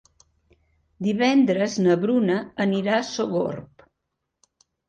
Divendres na Bruna anirà a Sogorb.